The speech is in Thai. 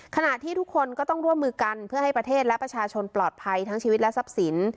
ขณะที่ทุกคนก็ต้องร่วมมือกันเพื่อให้ประเทศและประชาชนปลอดภัยทั้งชีวิตและทรัพย์สิน